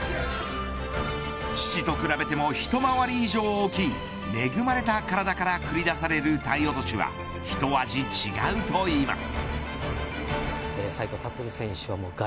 父と比べても一回り以上大きい恵まれた体から繰り出される体落はひと味違うと言います。